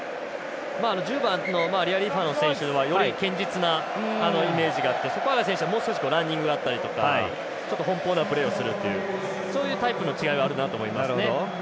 １０番のリアリーファノ選手はより堅実なイメージがあってソポアンガ選手はランニングがあったりとちょっと奔放なプレーをするというそういうタイプの違いがあると思いますね。